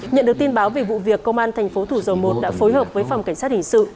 nhận được tin báo về vụ việc công an tp hcm đã phối hợp với phòng cảnh sát hình sự